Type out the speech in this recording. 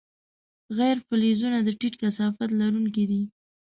غیر فلزونه د ټیټ کثافت لرونکي دي.